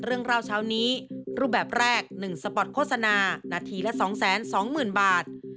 เรื่องราวเช้านี้รูปแบบแรก๑สปอร์ตโฆษณานาทีละ๒๒๐๐๐บาท